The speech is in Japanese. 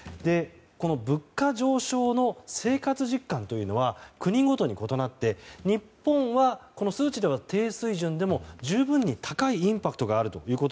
物価上昇の生活実感というのは国ごとに異なって日本は数値では低水準でも十分にインパクトがあると。